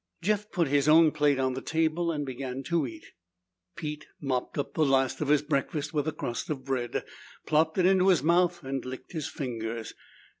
Jeff put his own plate on the table and began to eat. Pete mopped up the last of his breakfast with a crust of bread, plopped it into his mouth, and licked his fingers.